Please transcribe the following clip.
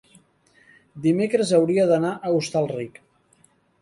dimecres hauria d'anar a Hostalric.